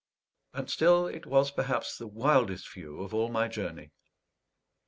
And still it was perhaps the wildest view of all my journey.